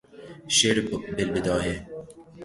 شعر بالبداهه